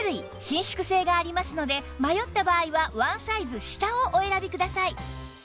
伸縮性がありますので迷った場合はワンサイズ下をお選びください